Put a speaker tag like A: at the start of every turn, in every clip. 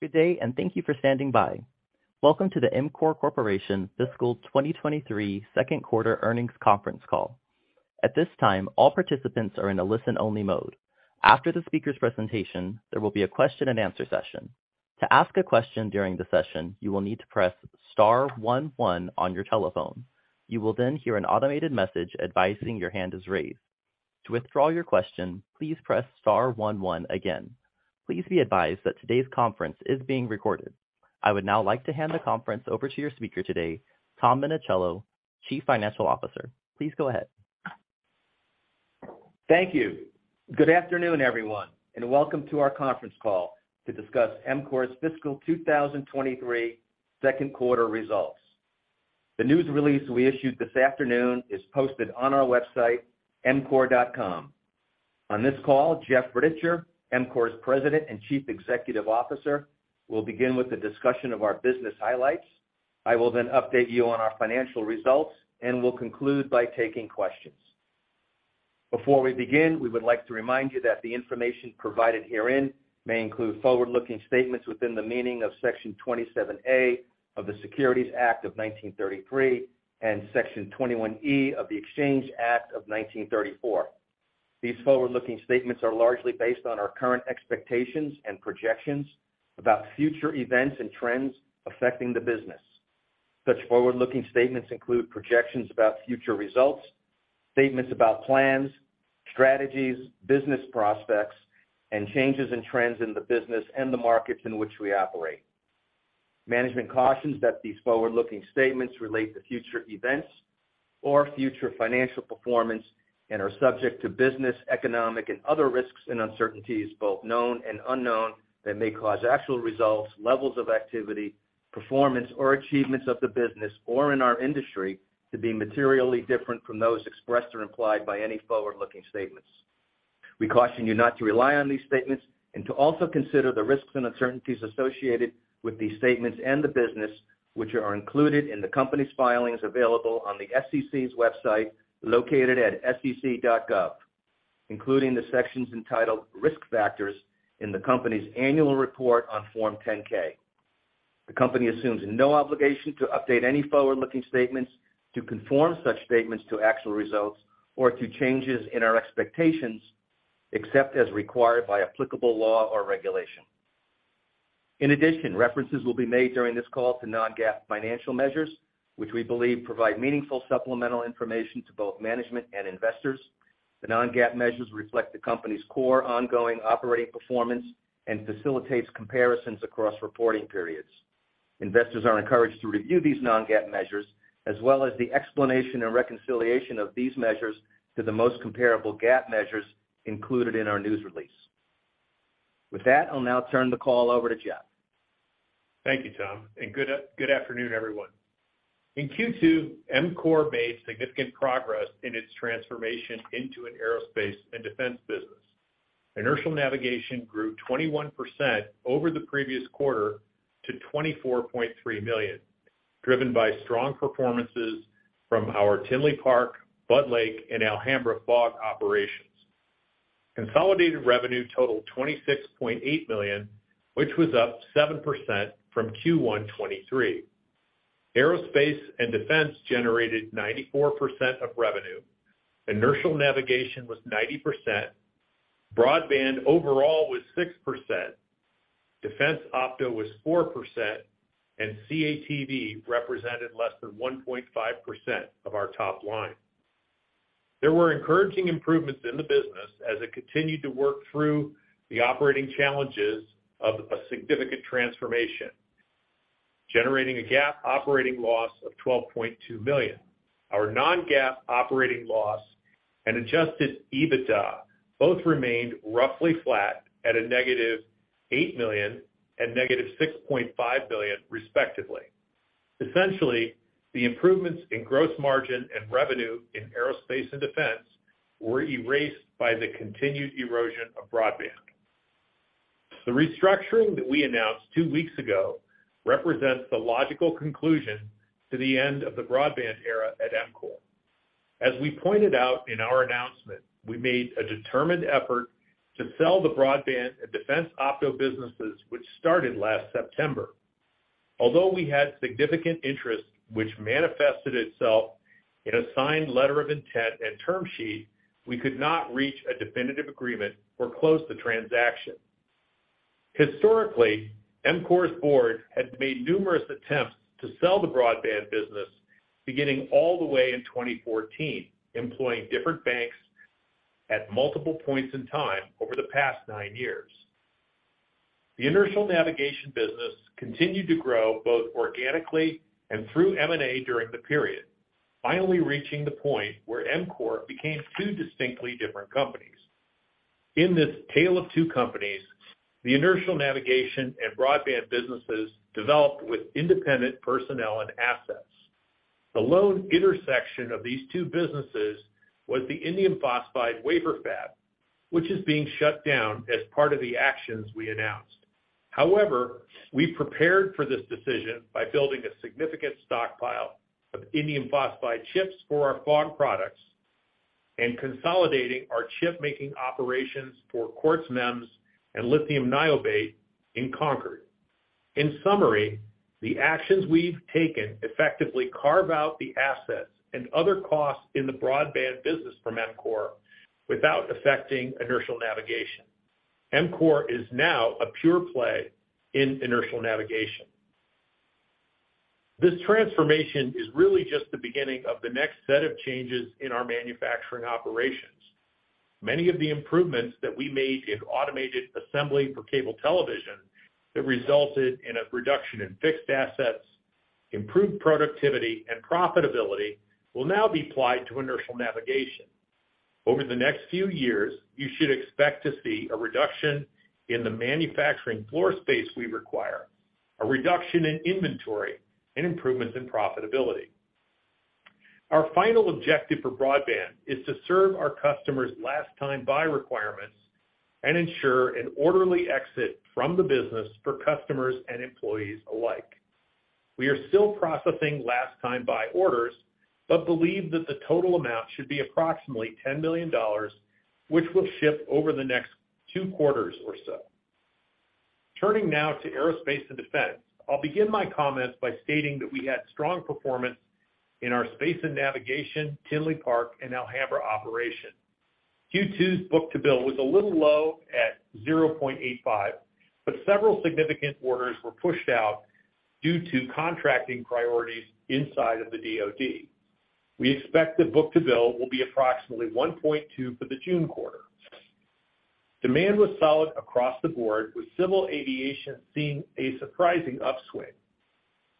A: Good day, thank you for standing by. Welcome to the EMCORE Corporation Fiscal 2023 Second Quarter Earnings Conference Call. At this time, all participants are in a listen-only mode. After the speaker's presentation, there will be a question-and-answer session. To ask a question during the session, you will need to press star one one on your telephone. You will then hear an automated message advising your hand is raised. To withdraw your question, please press star one one again. Please be advised that today's conference is being recorded. I would now like to hand the conference over to your speaker today, Tom Minichiello, Chief Financial Officer. Please go ahead.
B: Thank you. Good afternoon, everyone, welcome to our conference call to discuss EMCORE's fiscal 2023 second quarter results. The news release we issued this afternoon is posted on our website, emcore.com. On this call, Jeff Rittichier, EMCORE's President and Chief Executive Officer, will begin with a discussion of our business highlights. I will then update you on our financial results. We'll conclude by taking questions. Before we begin, we would like to remind you that the information provided herein may include forward-looking statements within the meaning of Section 27A of the Securities Act of 1933 and Section 21E of the Exchange Act of 1934. These forward-looking statements are largely based on our current expectations and projections about future events and trends affecting the business. Such forward-looking statements include projections about future results, statements about plans, strategies, business prospects, and changes in trends in the business and the markets in which we operate. Management cautions that these forward-looking statements relate to future events or future financial performance and are subject to business, economic, and other risks and uncertainties, both known and unknown, that may cause actual results, levels of activity, performance, or achievements of the business or in our industry to be materially different from those expressed or implied by any forward-looking statements. We caution you not to rely on these statements and to also consider the risks and uncertainties associated with these statements and the business, which are included in the company's filings available on the SEC's website located at sec.gov, including the sections entitled Risk Factors in the company's annual report on Form 10-K. The company assumes no obligation to update any forward-looking statements to conform such statements to actual results or to changes in our expectations, except as required by applicable law or regulation. In addition, references will be made during this call to non-GAAP financial measures, which we believe provide meaningful supplemental information to both management and investors. The non-GAAP measures reflect the company's core ongoing operating performance and facilitates comparisons across reporting periods. Investors are encouraged to review these non-GAAP measures as well as the explanation and reconciliation of these measures to the most comparable GAAP measures included in our news release. With that, I'll now turn the call over to Jeff.
C: Thank you, Tom. Good afternoon, everyone. In Q2, EMCORE made significant progress in its transformation into an aerospace and defense business. Inertial navigation grew 21% over the previous quarter to $24.3 million, driven by strong performances from our Tinley Park, Budd Lake, and Alhambra FOG operations. Consolidated revenue totaled $26.8 million, which was up 7% from Q1 2023. Aerospace and defense generated 94% of revenue. Inertial navigation was 90%. Broadband overall was 6%. Defense Opto was 4%. CATV represented less than 1.5% of our top line. There were encouraging improvements in the business as it continued to work through the operating challenges of a significant transformation, generating a GAAP operating loss of $12.2 million. Our non-GAAP operating loss and Adjusted EBITDA both remained roughly flat at -$8 million and -$6.5 billion, respectively. Essentially, the improvements in gross margin and revenue in aerospace and defense were erased by the continued erosion of broadband. The restructuring that we announced two weeks ago represents the logical conclusion to the end of the broadband era at EMCORE. As we pointed out in our announcement, we made a determined effort to sell the broadband and Defense Opto businesses, which started last September. We had significant interest, which manifested itself in a signed letter of intent and term sheet, we could not reach a definitive agreement or close the transaction. Historically, EMCORE's board had made numerous attempts to sell the broadband business beginning all the way in 2014, employing different banks at multiple points in time over the past nine years. The inertial navigation business continued to grow both organically and through M&A during the period, finally reaching the point where EMCORE became two distinctly different companies. In this tale of two companies, the inertial navigation and broadband businesses developed with independent personnel and assets. The lone intersection of these two businesses was the indium phosphide wafer fab, which is being shut down as part of the actions we announced. We prepared for this decision by building a significant stockpile of indium phosphide chips for our FOG products. Consolidating our chip making operations for Quartz MEMS and lithium niobate in Concord. In summary, the actions we've taken effectively carve out the assets and other costs in the broadband business from EMCORE without affecting inertial navigation. EMCORE is now a pure play in inertial navigation. This transformation is really just the beginning of the next set of changes in our manufacturing operations. Many of the improvements that we made in automated assembly for cable television that resulted in a reduction in fixed assets, improved productivity, and profitability will now be applied to inertial navigation. Over the next few years, you should expect to see a reduction in the manufacturing floor space we require, a reduction in inventory, and improvements in profitability. Our final objective for broadband is to serve our customers' last-time buy requirements and ensure an orderly exit from the business for customers and employees alike. We are still processing last-time buy orders, believe that the total amount should be approximately $10 million, which will ship over the next quarters or so. Turning now to aerospace and defense. I'll begin my comments by stating that we had strong performance in our Space & Navigation, Tinley Park, and Alhambra operations. Q2's Book-to-Bill was a little low at 0.85. Several significant orders were pushed out due to contracting priorities inside of the DoD. We expect that Book-to-Bill will be approximately 1.2 for the June quarter. Demand was solid across the board, with civil aviation seeing a surprising upswing.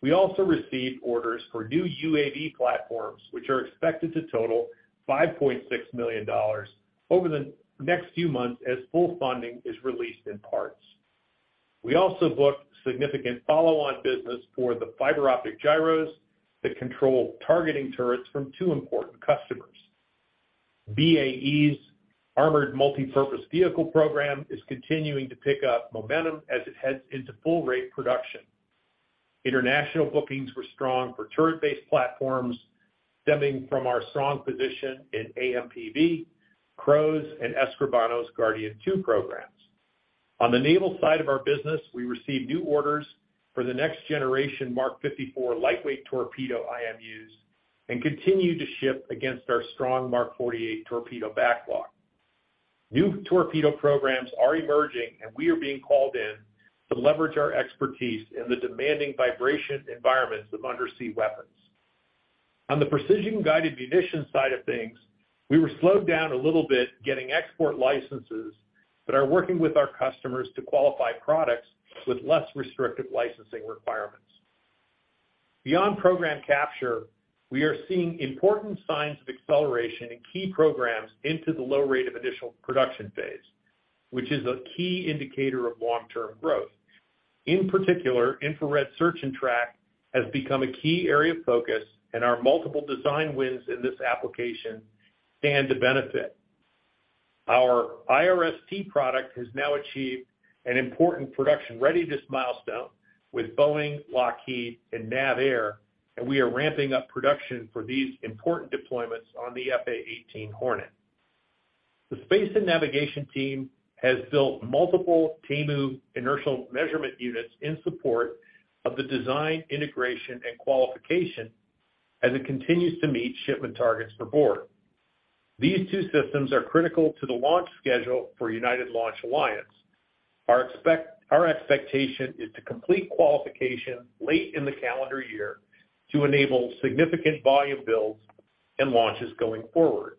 C: We also received orders for new UAV platforms, which are expected to total $5.6 million over the next few months as full funding is released in parts. We also booked significant follow-on business for the Fiber Optic Gyros that control targeting turrets from two important customers. BAE's Armored Multi-Purpose Vehicle program is continuing to pick up momentum as it heads into full rate production. International bookings were strong for turret-based platforms stemming from our strong position in AMPV, CROWS, and Escribano's Guardian 2.0 programs. On the naval side of our business, we received new orders for the next generation Mark 54 lightweight torpedo IMUs, and continue to ship against our strong Mark 48 torpedo backlog. New torpedo programs are emerging, and we are being called in to leverage our expertise in the demanding vibration environments of undersea weapons. On the precision-guided munition side of things, we were slowed down a little bit getting export licenses but are working with our customers to qualify products with less restrictive licensing requirements. Beyond program capture, we are seeing important signs of acceleration in key programs into the low rate of additional production phase, which is a key indicator of long-term growth. In particular, infrared search and track has become a key area of focus, and our multiple design wins in this application stand to benefit. Our IRST product has now achieved an important production readiness milestone with Boeing, Lockheed, and NAVAIR, and we are ramping up production for these important deployments on the F/A-18 Hornet. The Space & Navigation team has built multiple TAIMU inertial measurement units in support of the design, integration, and qualification as it continues to meet shipment targets for board. These two systems are critical to the launch schedule for United Launch Alliance. Our expectation is to complete qualification late in the calendar year to enable significant volume builds and launches going forward.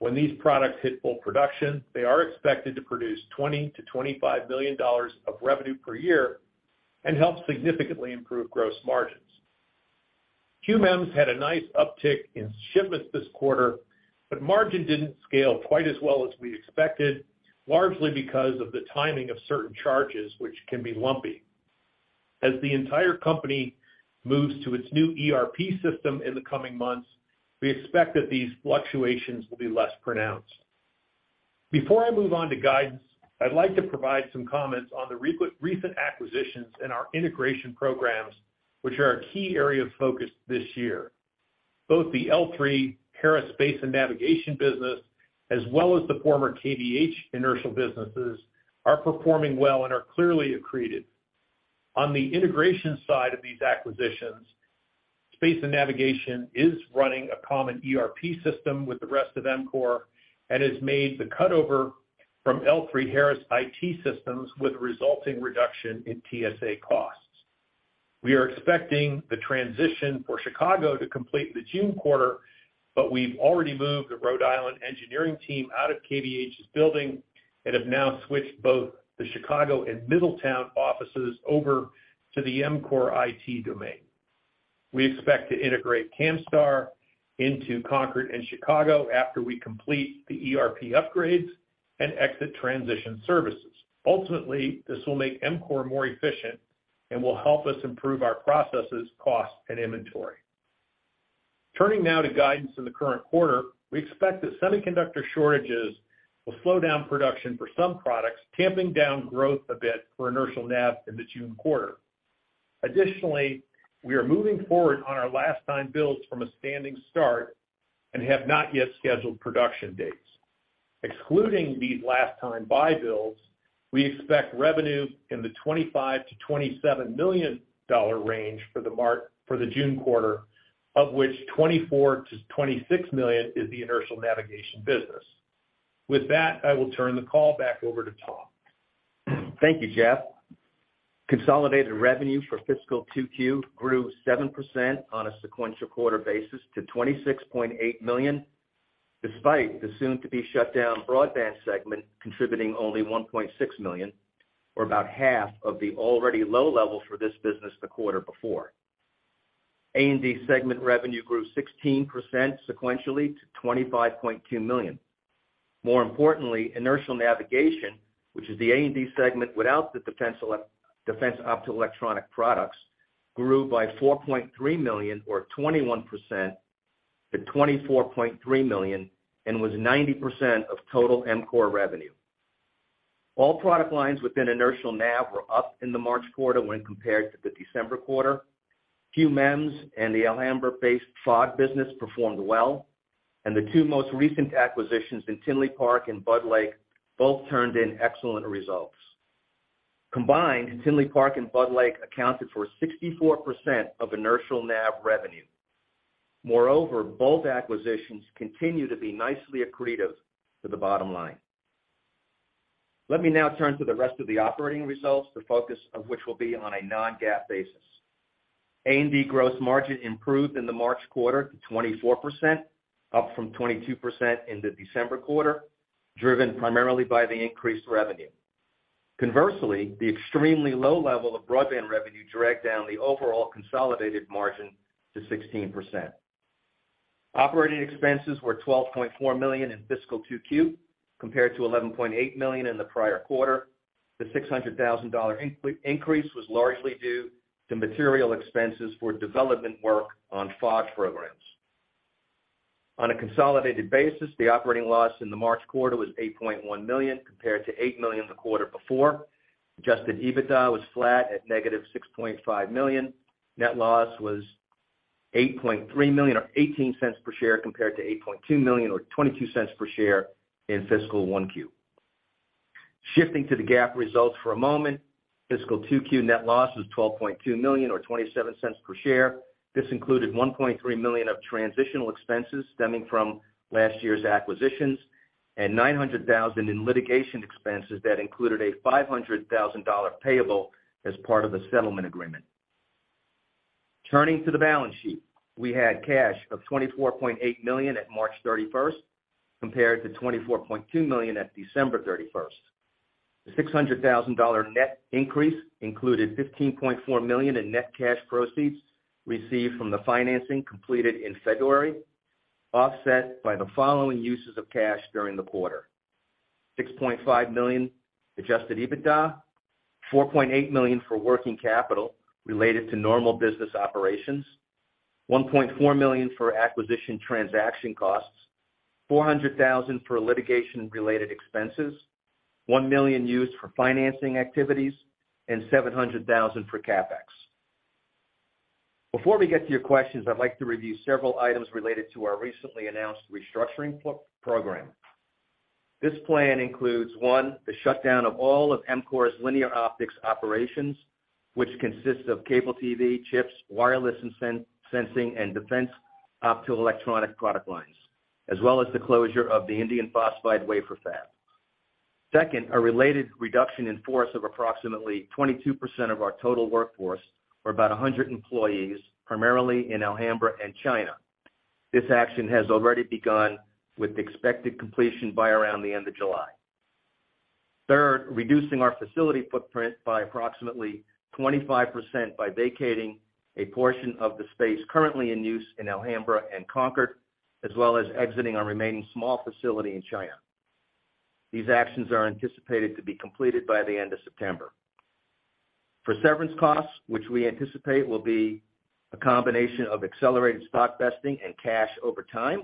C: When these products hit full production, they are expected to produce $20 million-$25 million of revenue per year and help significantly improve gross margins. QMEMS had a nice uptick in shipments this quarter. Margin didn't scale quite as well as we expected, largely because of the timing of certain charges, which can be lumpy. As the entire company moves to its new ERP system in the coming months, we expect that these fluctuations will be less pronounced. Before I move on to guidance, I'd like to provide some comments on the recent acquisitions and our integration programs, which are a key area of focus this year. Both the L3Harris Space & Navigation business, as well as the former KVH inertial businesses, are performing well and are clearly accreted. On the integration side of these acquisitions, Space & Navigation is running a common ERP system with the rest of EMCORE and has made the cutover from L3Harris IT systems with resulting reduction in TSA costs. We are expecting the transition for Chicago to complete in the June quarter, but we've already moved the Rhode Island engineering team out of KVH's building and have now switched both the Chicago and Middletown offices over to the EMCORE IT domain. We expect to integrate Kamstar into Concord and Chicago after we complete the ERP upgrades and exit transition services. Ultimately, this will make EMCORE more efficient and will help us improve our processes, cost, and inventory. Turning now to guidance in the current quarter. We expect that semiconductor shortages will slow down production for some products, tamping down growth a bit for inertial nav in the June quarter. Additionally, we are moving forward on our last time builds from a standing start and have not yet scheduled production dates. Excluding these last time buy builds, we expect revenue in the $25 million-$27 million range for the June quarter, of which $24 million-$26 million is the inertial navigation business. With that, I will turn the call back over to Tom.
B: Thank you, Jeff. Consolidated revenue for fiscal 2Q grew 7% on a sequential quarter basis to $26.8 million, despite the soon to be shut down broadband segment contributing only $1.6 million or about half of the already low level for this business the quarter before. A&D segment revenue grew 16% sequentially to $25.2 million. More importantly, inertial navigation, which is the A&D segment without the defense optoelectronic products, grew by $4.3 million or 21% to $24.3 million and was 90% of total EMCORE revenue. All product lines within inertial navigation were up in the March quarter when compared to the December quarter. QMEMS and the Alhambra-based FOG business performed well, and the two most recent acquisitions in Tinley Park and Budd Lake both turned in excellent results. Combined, Tinley Park and Budd Lake accounted for 64% of inertial navigation revenue. Both acquisitions continue to be nicely accretive to the bottom line. Let me now turn to the rest of the operating results, the focus of which will be on a non-GAAP basis. A&D gross margin improved in the March quarter to 24%, up from 22% in the December quarter, driven primarily by the increased revenue. The extremely low level of broadband revenue dragged down the overall consolidated margin to 16%. Operating expenses were $12.4 million in fiscal 2Q, compared to $11.8 million in the prior quarter. The $600,000 increase was largely due to material expenses for development work on FOG programs. On a consolidated basis, the operating loss in the March quarter was $8.1 million compared to $8 million the quarter before. Adjusted EBITDA was flat at negative $6.5 million. Net loss was $8.3 million or $0.18 per share compared to $8.2 million or $0.22 per share in fiscal 1Q. Shifting to the GAAP results for a moment. Fiscal 2Q net loss was $12.2 million or $0.27 per share. This included $1.3 million of transitional expenses stemming from last year's acquisitions and $900,000 in litigation expenses that included a $500,000 payable as part of a settlement agreement. Turning to the balance sheet. We had cash of $24.8 million at March 31st, compared to $24.2 million at December 31st. The $600,000 net increase included $15.4 million in net cash proceeds received from the financing completed in February, offset by the following uses of cash during the quarter. $6.5 million Adjusted EBITDA, $4.8 million for working capital related to normal business operations, $1.4 million for acquisition transaction costs, $400,000 for litigation related expenses, $1 million used for financing activities, and $700,000 for CapEx. Before we get to your questions, I'd like to review several items related to our recently announced restructuring program. This plan includes, one, the shutdown of all of EMCORE's linear optics operations, which consists of cable TV, chips, wireless and sensing, and defense optoelectronic product lines, as well as the closure of the indium phosphide wafer fab. Second, a related reduction in force of approximately 22% of our total workforce or about 100 employees, primarily in Alhambra and China. This action has already begun with expected completion by around the end of July. Third, reducing our facility footprint by approximately 25% by vacating a portion of the space currently in use in Alhambra and Concord, as well as exiting our remaining small facility in China. These actions are anticipated to be completed by the end of September. For severance costs, which we anticipate will be a combination of accelerated stock vesting and cash over time,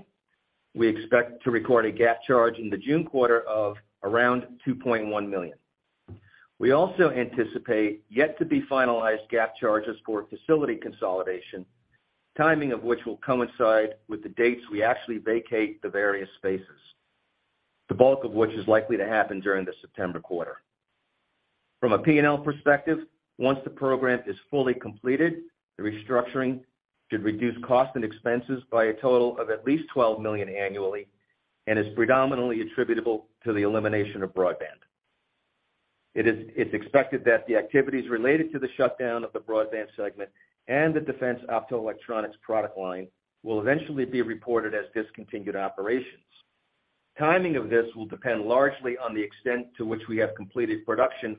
B: we expect to record a GAAP charge in the June quarter of around $2.1 million. We also anticipate yet to be finalized GAAP charges for facility consolidation, timing of which will coincide with the dates we actually vacate the various spaces, the bulk of which is likely to happen during the September quarter. From a P&L perspective, once the program is fully completed, the restructuring should reduce costs and expenses by a total of at least $12 million annually and is predominantly attributable to the elimination of broadband. It's expected that the activities related to the shutdown of the broadband segment and the defense optoelectronics product line will eventually be reported as discontinued operations. Timing of this will depend largely on the extent to which we have completed production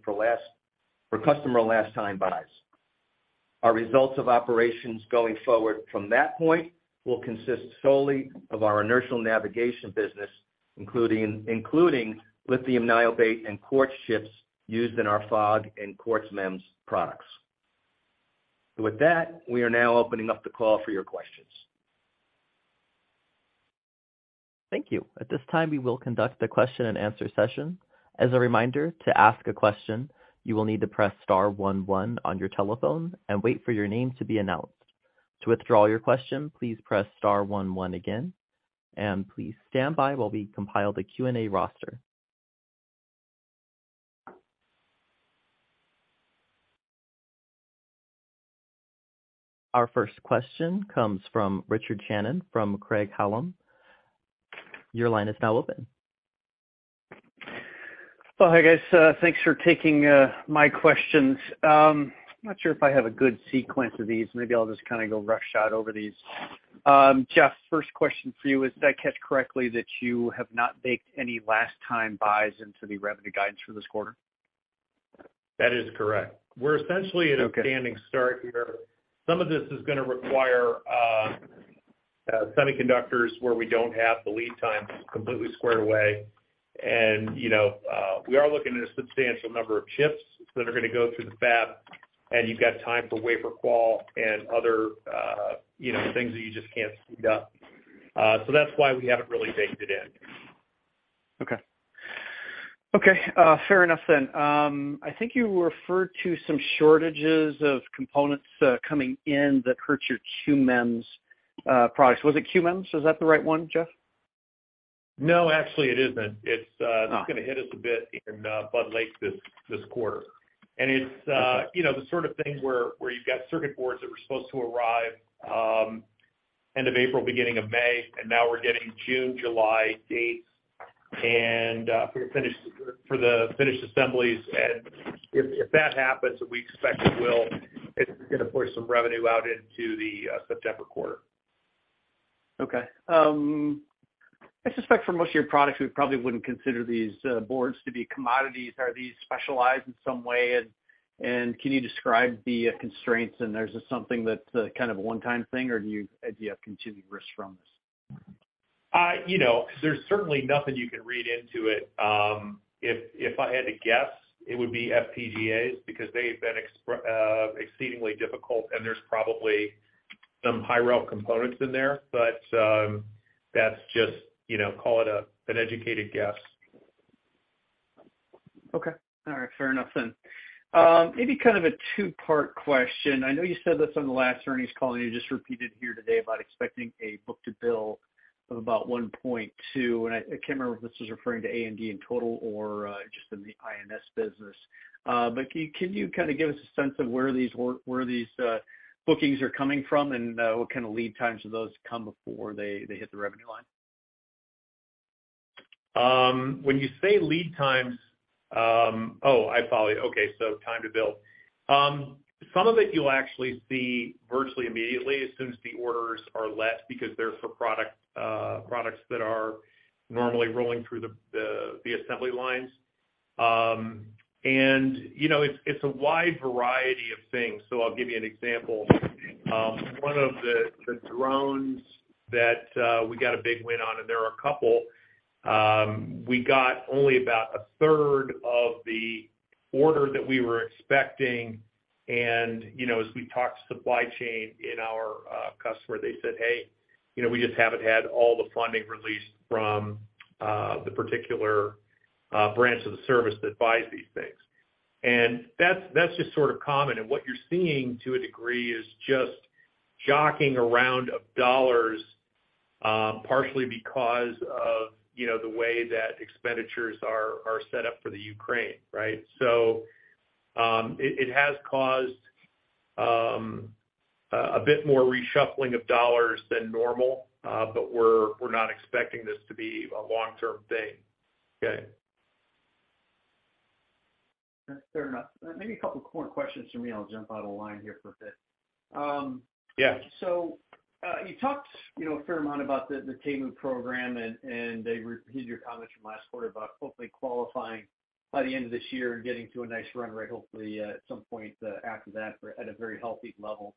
B: for customer last time buys. Our results of operations going forward from that point will consist solely of our inertial navigation business, including lithium niobate and quartz chips used in our FOG and Quartz MEMS products. With that, we are now opening up the call for your questions.
A: Thank you. At this time, we will conduct a question-and-answer session. As a reminder, to ask a question, you will need to press star one one on your telephone and wait for your name to be announced. To withdraw your question, please press star one one again, please stand by while we compile the Q&A roster. Our first question comes from Richard Shannon, from Craig-Hallum. Your line is now open.
D: Hi, guys. Thanks for taking my questions. I'm not sure if I have a good sequence of these. Maybe I'll just kinda go rush out over these. Jeff, first question for you is, did I catch correctly that you have not baked any last time buys into the revenue guidance for this quarter?
C: That is correct.
D: Okay.
C: We're essentially at a standing start here. Some of this is gonna require, semiconductors where we don't have the lead times completely squared away. you know, we are looking at a substantial number of chips that are gonna go through the fab, and you've got time for wafer qual and other, you know, things that you just can't speed up. that's why we haven't really baked it in.
D: Okay. Fair enough then. I think you referred to some shortages of components coming in that hurt your QMEMS products. Was it QMEMS? Is that the right one, Jeff?
C: No, actually it isn't.
D: Oh.
C: It's gonna hit us a bit in Budd Lake this quarter.
D: Okay.
C: It's, you know, the sort of thing where you've got circuit boards that were supposed to arrive, end of April, beginning of May, now we're getting June, July dates, for the finished assemblies. If that happens, and we expect it will, it's gonna push some revenue out into the September quarter.
D: Okay. I suspect for most of your products, we probably wouldn't consider these boards to be commodities. Are these specialized in some way? Can you describe the constraints, and there's just something that's kind of a one-time thing, or do you have continued risk from this?
C: You know, there's certainly nothing you can read into it. If, if I had to guess, it would be FPGAs because they've been exceedingly difficult, and there's probably some Hi-Rel components in there. That's just, you know, call it an educated guess.
D: Okay. All right. Fair enough then. Maybe kind of a two-part question. I know you said this on the last earnings call, you just repeated here today about expecting a Book-to-Bill of about 1.2, I can't remember if this was referring to A&D in total or just in the INS business. Can you kinda give us a sense of where these bookings are coming from and what kinda lead times do those come before they hit the revenue line?
C: When you say lead times. Oh, I follow you. Okay, time to build. Some of it you'll actually see virtually immediately as soon as the orders are less because they're for products that are normally rolling through the assembly lines. You know, it's a wide variety of things. I'll give you an example. One of the drones that we got a big win on, and there are a couple, we got only about a third of the order that we were expecting. You know, as we talked to supply chain in our customer, they said, "Hey, you know, we just haven't had all the funding released from the particular branch of the service that buys these things." That's just sort of common. What you're seeing to a degree is just jockeying around of dollars, partially because of, you know, the way that expenditures are set up for the Ukraine, right? It has caused a bit more reshuffling of dollars than normal, but we're not expecting this to be a long-term thing.
D: Okay. That's fair enough. maybe a couple more questions from me, I'll jump out of line here for a bit.
C: Yeah.
D: You talked, you know, a fair amount about the TAIMU program and I re-read your comments from last quarter about hopefully qualifying by the end of this year and getting to a nice run rate, hopefully, at some point, after that for at a very healthy level.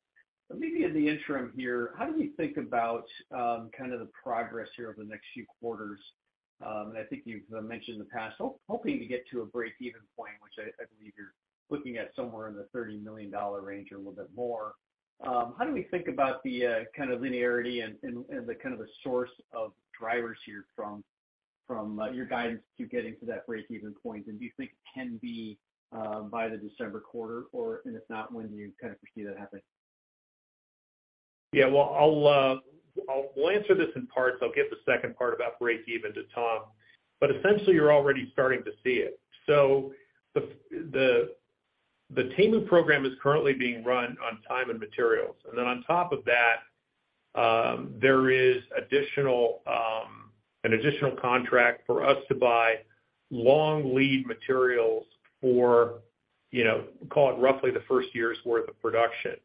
D: Maybe in the interim here, how do we think about kinda the progress here over the next few quarters? I think you've mentioned in the past, hoping to get to a break-even point, which I believe you're looking at somewhere in the $30 million range or a little bit more. How do we think about the kinda linearity and, and the kind of the source of drivers here from your guidance to getting to that break-even point? Do you think it can be by the December quarter, or if not, when do you kind of foresee that happening?
C: Yeah. Well, We'll answer this in parts. I'll give the second part about break even to Tom. Essentially, you're already starting to see it. The TAIMU program is currently being run on time and materials. Then on top of that, there is additional, an additional contract for us to buy long lead materials for, you know, call it roughly the first year's worth of production.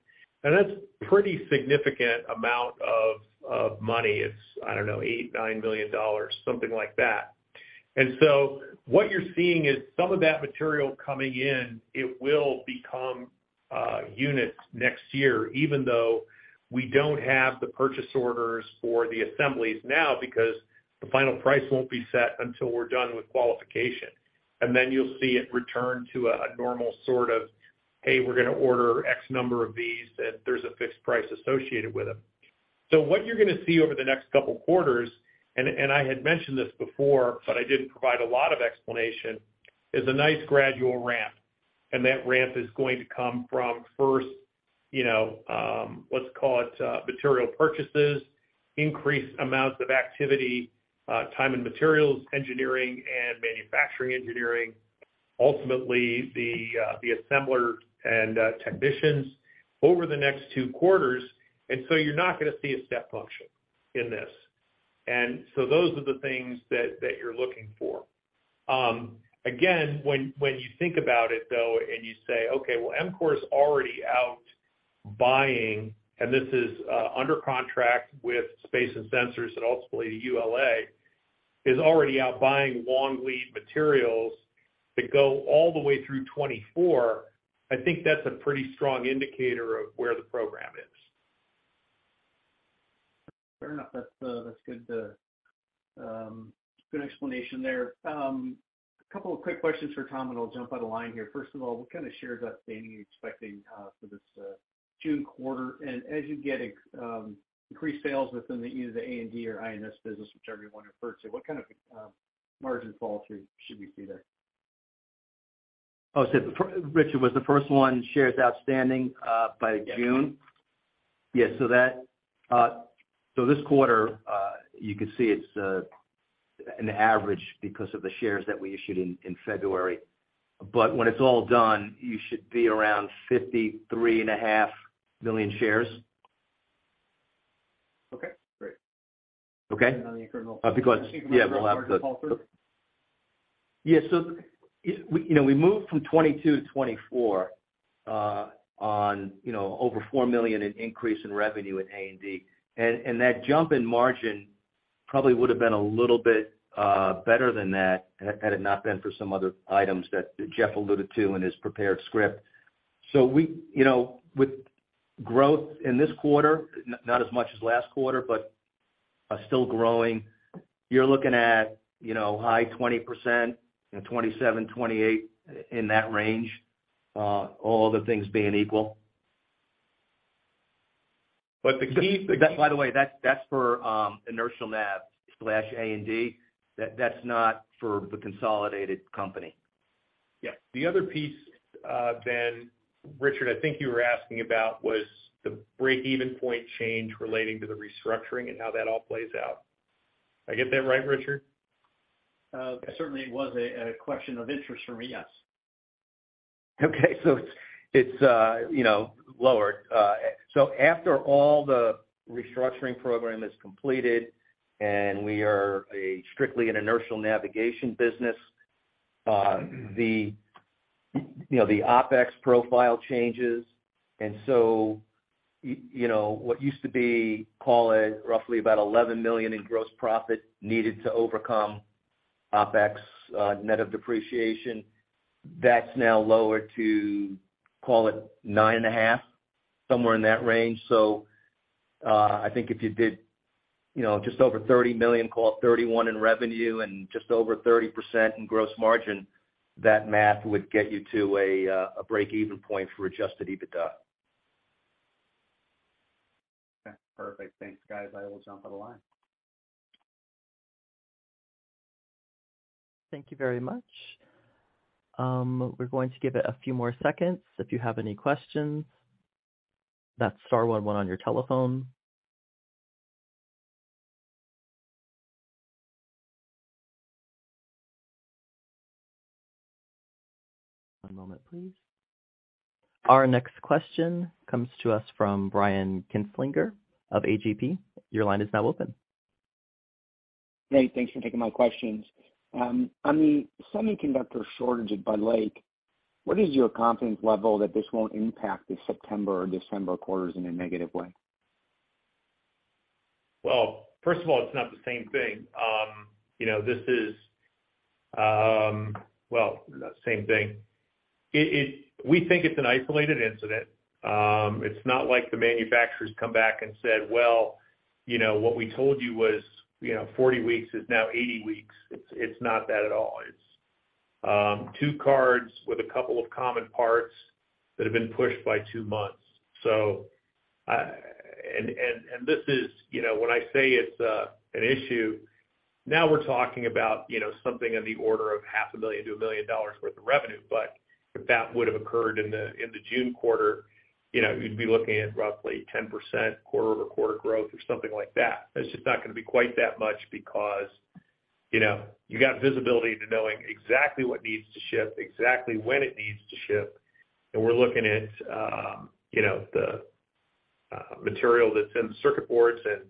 C: That's pretty significant amount of money. It's, I don't know, $8 million-$9 million, something like that. What you're seeing is some of that material coming in, it will become units next year, even though we don't have the purchase orders for the assemblies now because the final price won't be set until we're done with qualification. You'll see it return to a normal sort of, hey, we're gonna order X number of these, and there's a fixed price associated with them. What you're gonna see over the next couple quarters, and I had mentioned this before, but I didn't provide a lot of explanation, is a nice gradual ramp. That ramp is going to come from first, you know, let's call it, material purchases, increased amounts of activity, time and materials engineering and manufacturing engineering, ultimately the assembler and technicians over the next two quarters. You're not gonna see a step function in this. Those are the things that you're looking for. Again, when you think about it, though, and you say, "Okay, well, EMCORE's already out buying," and this is, under contract with Space & Navigation and ultimately the ULA, is already out buying long lead materials that go all the way through 2024, I think that's a pretty strong indicator of where the program is.
D: Fair enough. That's, that's good explanation there. A couple of quick questions for Tom, and I'll jump out of line here. First of all, what kind of shares outstanding are you expecting for this June quarter? As you get increased sales within either the A&D or INS business, whichever you wanna refer to, what kind of margin fall through should we see there?
B: Oh, Richard, was the first one shares outstanding by June?
D: Yes.
B: That, this quarter, you could see it's an average because of the shares that we issued in February. When it's all done, you should be around 53.5 million shares.
D: Okay, great.
B: Okay.
D: on the incremental-
B: Uh, because-
D: margin fall through?
B: Yeah. Yeah. You know, we moved from 2022 to 2024, on, you know, over $4 million in increase in revenue at A&D. And that jump in margin probably would have been a little bit better than that had it not been for some other items that Jeff alluded to in his prepared script. You know, with growth in this quarter, not as much as last quarter, but, still growing, you're looking at, you know, high 20%, you know, 27%, 28%, in that range, all other things being equal.
C: The key.
B: By the way, that's for inertial nav/A&D. That's not for the consolidated company.
C: Yeah. The other piece, then, Richard, I think you were asking about was the break-even point change relating to the restructuring and how that all plays out. I get that right, Richard?
D: That certainly was a question of interest for me, yes.
B: It's, you know, lower. After all the restructuring program is completed and we are a strictly an inertial navigation business, the, you know, the OpEx profile changes. You know, what used to be, call it, roughly about $11 million in gross profit needed to overcome OpEx, net of depreciation, that's now lower to, call it, nine and a half, somewhere in that range. I think if you did, you know, just over $30 million, call it $31 million in revenue and just over 30% in gross margin, that math would get you to a break-even point for Adjusted EBITDA.
D: Okay, perfect. Thanks, guys. I will jump out of the line.
A: Thank you very much. We're going to give it a few more seconds. If you have any questions, that's star one one on your telephone. One moment, please. Our next question comes to us from Brian Kinstlinger of AGP. Your line is now open.
E: Hey, thanks for taking my questions. On the semiconductor shortage at Budd Lake, what is your confidence level that this won't impact the September or December quarters in a negative way?
C: First of all, it's not the same thing. You know, this is. Well, same thing. We think it's an isolated incident. It's not like the manufacturers come back and said, "Well, you know, what we told you was, you know, 40 weeks is now 80 weeks." It's not that at all. It's two cards with a couple of common parts that have been pushed by two months. This is, you know, when I say it's an issue, now we're talking about, you know, something in the order of half a million to $1 million worth of revenue. If that would have occurred in the June quarter, you know, you'd be looking at roughly 10% quarter-over-quarter growth or something like that. It's just not gonna be quite that much because, you know, you got visibility to knowing exactly what needs to ship, exactly when it needs to ship. We're looking at, you know, the material that's in circuit boards, and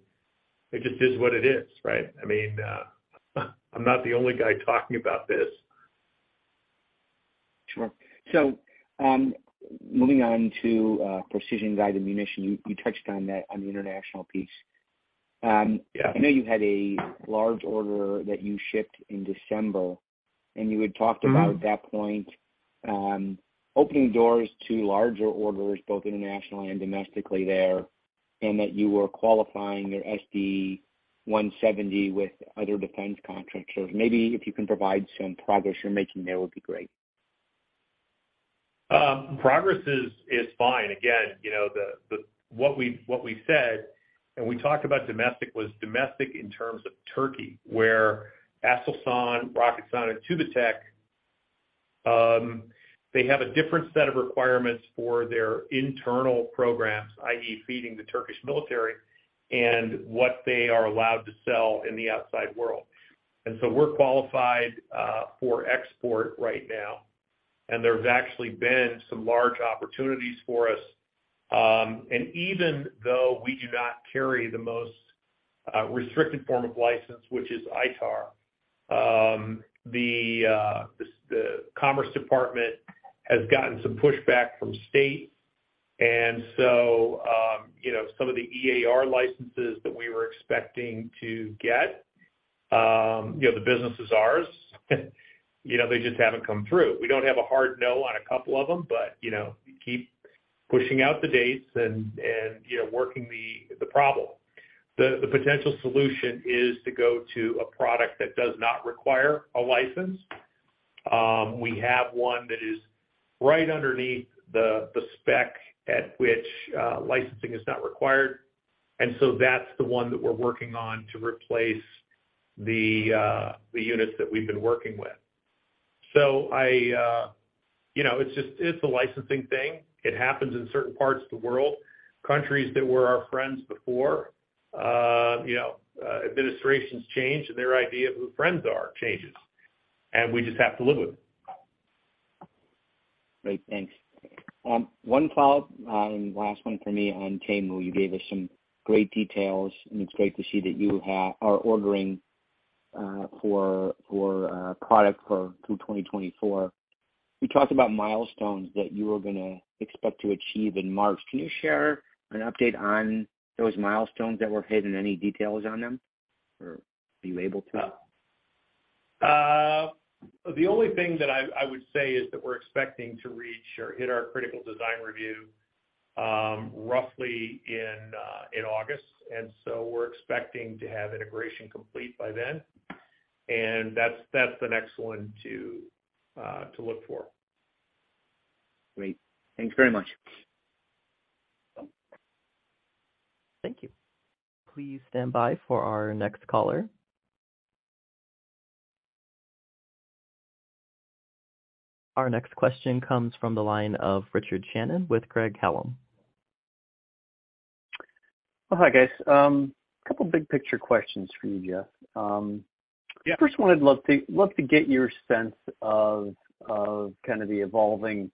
C: it just is what it is, right? I mean, I'm not the only guy talking about this.
E: Sure. Moving on to precision-guided munition, you touched on that on the international piece.
C: Yeah.
E: I know you had a large order that you shipped in December, and you had talked about.
C: Mm-hmm...
E: at that point, opening doors to larger orders, both internationally and domestically there. That you were qualifying your SDI170 with other defense contractors. Maybe if you can provide some progress you're making there would be great?
C: Progress is fine. Again, what we said, and we talked about domestic, was domestic in terms of Turkey, where Aselsan, Roketsan and TÜBİTAK, they have a different set of requirements for their internal programs, i.e., feeding the Turkish military and what they are allowed to sell in the outside world. We're qualified for export right now, and there's actually been some large opportunities for us. Even though we do not carry the most restricted form of license, which is ITAR, the Commerce Department has gotten some pushback from State. Some of the EAR licenses that we were expecting to get, the business is ours. They just haven't come through. We don't have a hard no on a couple of them, but, you know, we keep pushing out the dates and, you know, working the problem. The potential solution is to go to a product that does not require a license. We have one that is right underneath the spec at which licensing is not required. That's the one that we're working on to replace the units that we've been working with. I, you know, it's just a licensing thing. It happens in certain parts of the world. Countries that were our friends before, you know, administrations change, and their idea of who friends are changes. We just have to live with it.
E: Great. Thanks. one follow-up, and last one for me on TAIMU. You gave us some great details, and it's great to see that you are ordering for product through 2024. You talked about milestones that you were gonna expect to achieve in March. Can you share an update on those milestones that were hit and any details on them? Or are you able to?
C: The only thing that I would say is that we're expecting to reach or hit our Critical Design Review, roughly in August. We're expecting to have integration complete by then. That's the next one to look for.
E: Great. Thanks very much.
C: Welcome.
A: Thank you. Please stand by for our next caller. Our next question comes from the line of Richard Shannon with Craig-Hallum.
D: Well, hi, guys. A couple big picture questions for you, Jeff.
C: Yeah.
D: First one, I'd love to get your sense of kind of the evolving,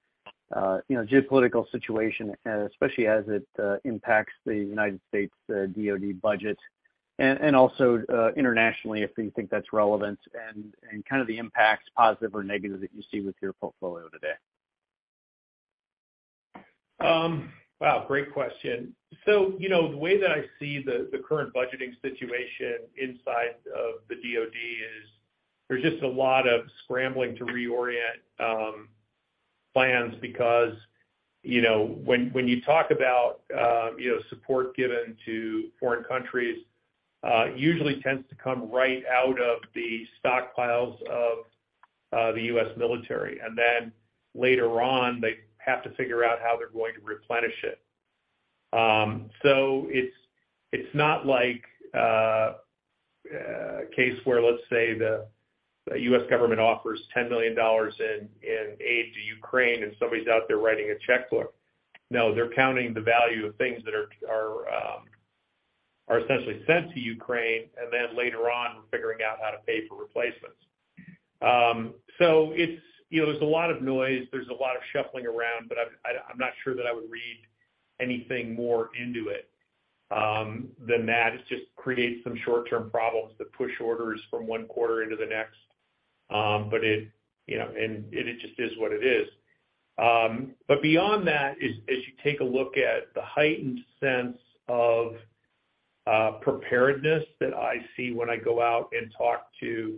D: you know, geopolitical situation, especially as it impacts the U.S., DoD budget and also, internationally, if you think that's relevant, and kind of the impacts, positive or negative, that you see with your portfolio today.
C: Wow, great question. You know, the way that I see the current budgeting situation inside of the DoD is there's just a lot of scrambling to reorient plans because, you know, when you talk about, you know, support given to foreign countries, usually tends to come right out of the stockpiles of the U.S. military. Later on, they have to figure out how they're going to replenish it. It's not like a case where, let's say, the U.S. government offers $10 million in aid to Ukraine and somebody's out there writing a checkbook. No, they're counting the value of things that are essentially sent to Ukraine, and then later on figuring out how to pay for replacements. It's, you know, there's a lot of noise, there's a lot of shuffling around, I'm not sure that I would read anything more into it than that. It just creates some short-term problems that push orders from one quarter into the next. It, you know, it just is what it is. Beyond that is, you take a look at the heightened sense of preparedness that I see when I go out and talk to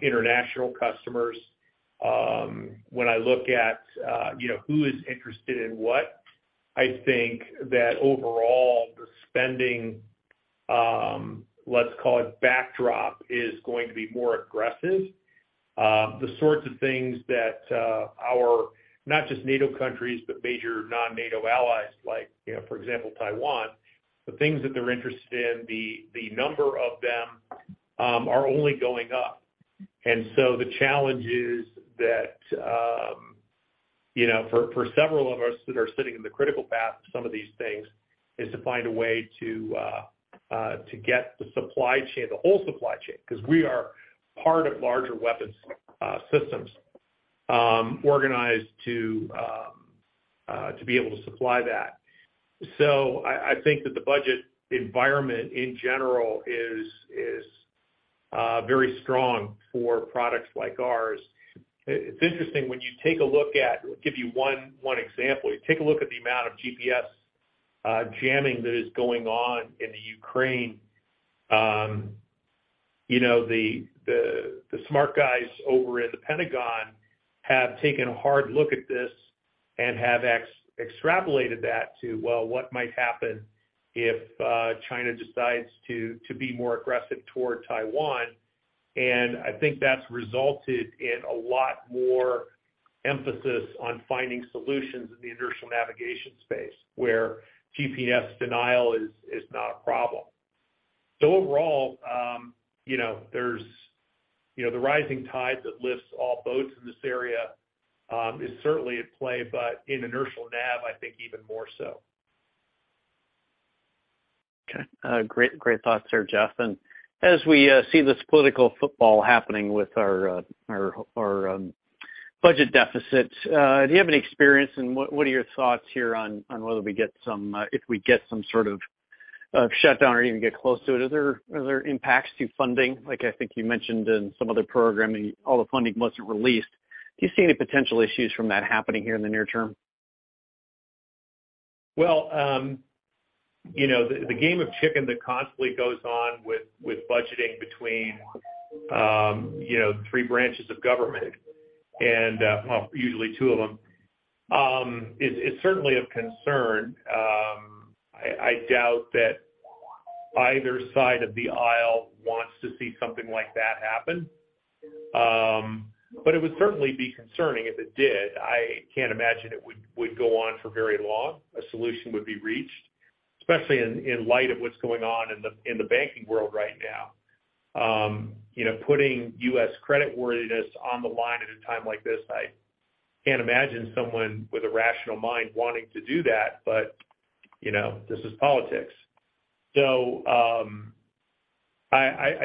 C: international customers. When I look at, you know, who is interested in what, I think that overall the spending, let's call it backdrop, is going to be more aggressive. The sorts of things that our, not just NATO countries, but major non-NATO allies like, you know, for example, Taiwan, the things that they're interested in, the number of them are only going up. The challenge is that, you know, for several of us that are sitting in the critical path of some of these things, is to find a way to get the supply chain, the whole supply chain, because we are part of larger weapons systems organized to be able to supply that. I think that the budget environment in general is very strong for products like ours. It's interesting when you take a look at. I'll give you one example. You take a look at the amount of GPS jamming that is going on in the Ukraine. You know, the smart guys over in the Pentagon have taken a hard look at this and have extrapolated that to, well, what might happen if China decides to be more aggressive toward Taiwan. I think that's resulted in a lot more emphasis on finding solutions in the inertial navigation space where GPS denial is not a problem. Overall, you know, there's the rising tide that lifts all boats in this area is certainly at play, but in inertial nav, I think even more so.
D: Okay. great thoughts there, Jeff. As we see this political football happening with our budget deficit, do you have any experience and what are your thoughts here on whether we get some if we get some sort of shutdown or even get close to it? Are there impacts to funding? Like I think you mentioned in some other programming, all the funding wasn't released. Do you see any potential issues from that happening here in the near term?
C: Well, you know, the game of chicken that constantly goes on with budgeting between, you know, three branches of government and well, usually two of them, is certainly of concern. I doubt that either side of the aisle wants to see something like that happen. It would certainly be concerning if it did. I can't imagine it would go on for very long. A solution would be reached, especially in light of what's going on in the banking world right now. You know, putting U.S. credit worthiness on the line at a time like this, I can't imagine someone with a rational mind wanting to do that. You know, this is politics. I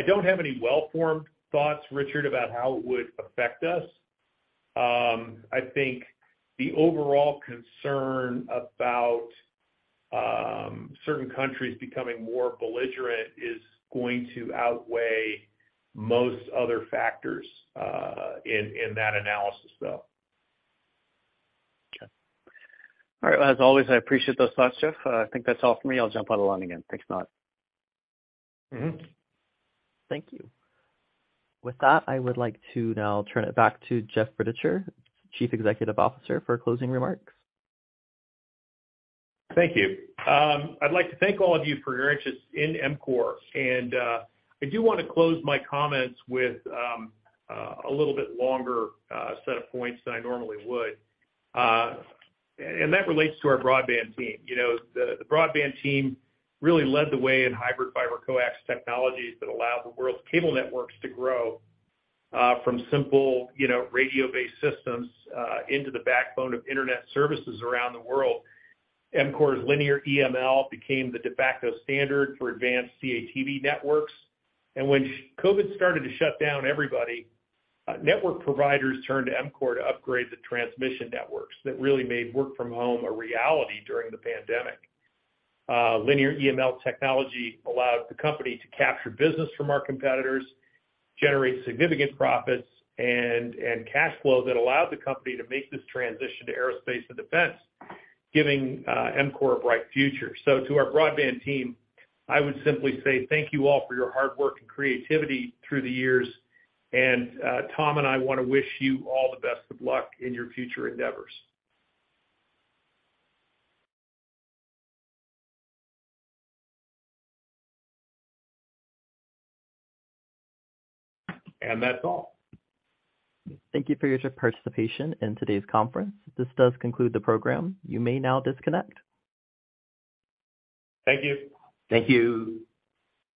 C: don't have any well-formed thoughts, Richard, about how it would affect us. I think the overall concern about certain countries becoming more belligerent is going to outweigh most other factors in that analysis though.
D: Okay. All right. As always, I appreciate those thoughts, Jeff. I think that's all for me. I'll jump on along again. Thanks a lot.
C: Mm-hmm.
A: Thank you. With that, I would like to now turn it back to Jeff Rittichier, Chief Executive Officer, for closing remarks.
C: Thank you. I'd like to thank all of you for your interest in EMCORE. I do wanna close my comments with a little bit longer set of points than I normally would. That relates to our broadband team. You know, the broadband team really led the way in Hybrid Fiber-Coaxial technologies that allowed the world's cable networks to grow from simple, you know, radio-based systems into the backbone of internet services around the world. EMCORE's Linear EML became the de facto standard for advanced CATV networks. When COVID started to shut down everybody, network providers turned to EMCORE to upgrade the transmission networks that really made work from home a reality during the pandemic. Linear EML technology allowed the company to capture business from our competitors, generate significant profits and cash flow that allowed the company to make this transition to aerospace and defense, giving EMCORE a bright future. To our broadband team, I would simply say thank you all for your hard work and creativity through the years. Tom and I wanna wish you all the best of luck in your future endeavors. That's all.
A: Thank you for your participation in today's conference. This does conclude the program. You may now disconnect.
C: Thank you.
B: Thank you.